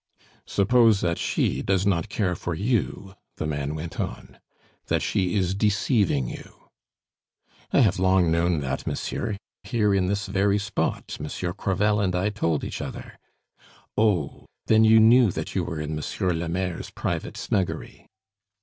"Suppose that she does not care for you?" the man went on, "that she is deceiving you?" "I have long known that, monsieur here, in this very spot, Monsieur Crevel and I told each other " "Oh! Then you knew that you were in Monsieur le Maire's private snuggery?"